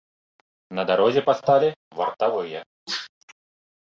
На дарозе пасталі вартавыя.